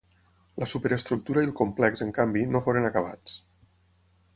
La superestructura i el complex en canvi no foren acabats.